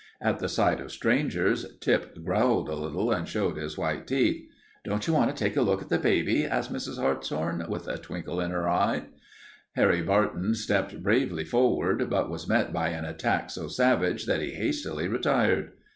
At the sight of strangers Tip growled a little and showed his white teeth. "Don't you want to take a look at the baby?" asked Mrs. Hartshorn, with a twinkle in her eyes. Harry Barton stepped bravely forward, but was met by an attack so savage that he hastily retired.